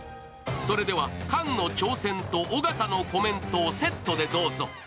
それでは菅の挑戦と尾形のコメントをセットでどうぞ。